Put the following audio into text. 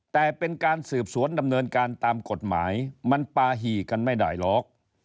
แต่เป็นการสืบสวนดำเนินการตามกฎหมายมันปาหี่กันไม่ได้หรอก